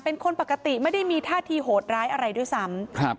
เป็นคนปกติไม่ได้มีท่าทีโหดร้ายอะไรด้วยซ้ำ